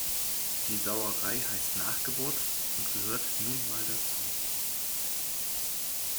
Die Sauerei heißt Nachgeburt und gehört nun mal dazu.